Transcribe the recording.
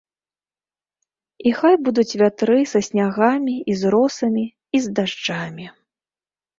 І хай будуць вятры са снягамі і з росамі, і з дажджамі!